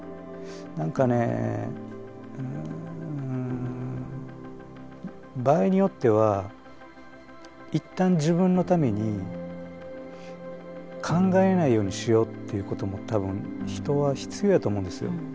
何かねうん場合によっては一旦自分のために考えないようにしようっていうことも多分人は必要やと思うんですよ。